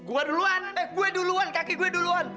gue duluan gue duluan kaki gue duluan